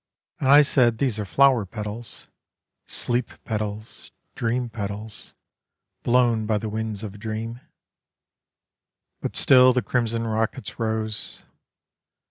And I said these are flower petals, Sleep petals, dream petals, Blown by the winds of a dream. But still the crimson rockets rose.